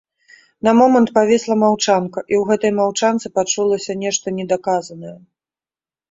На момант павісла маўчанка, і ў гэтай маўчанцы пачулася нешта недаказанае.